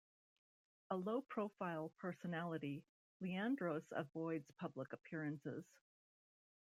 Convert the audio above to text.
A low profile personality, Leandros avoids public appearances.